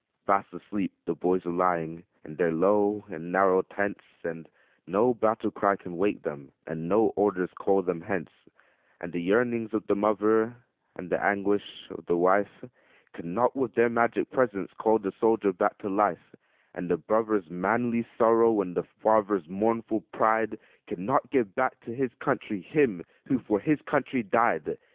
Fast asleep the boys are lying, in their low and narrow tents, And no battle cry can wake them, and no orders call them hence; And the yearnings of the mother, and the anguish of the wife, Can not with their magic presence call the soldier back to life; And the brother's manly sorrow, and the father's mournful pride, Can not give back to his country him who for his country died.